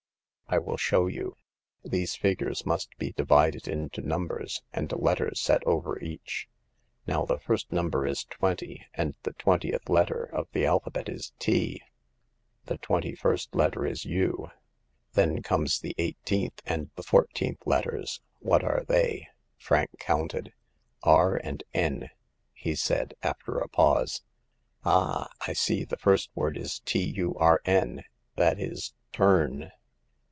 I will show you. These figures must be divided into numbers, and a letter set over each. Now, the first number is twenty, and the twen tieth letter of the alphabet is * T/ The twenty first letter is * U.' Then come the eighteenth and the fourteenth letters. What are they ?" Frank counted. "* R ' and * N,' " he said, after a pause. " Ah ! I see the first word is T, U, R, N,— that is turn